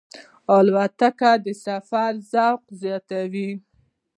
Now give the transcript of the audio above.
الوتکه د سفر ذوق زیاتوي.